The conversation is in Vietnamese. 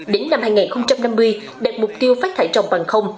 đến năm hai nghìn năm mươi đạt mục tiêu phát thải trồng bằng không